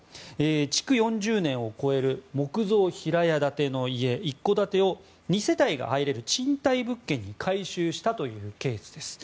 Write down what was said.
築４０年を超える木造平屋建ての家、一戸建てを２世帯が入れる賃貸物件に改修したというケースです。